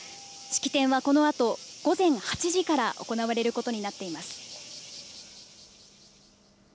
式典はこのあと午前８時から行われることになっています。